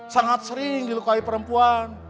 sangat sering dilukai perempuan